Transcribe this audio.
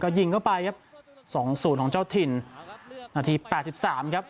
ยิงเข้าไปครับสองศูนย์ของเจ้าถิ่นนาทีแปดสิบสามครับ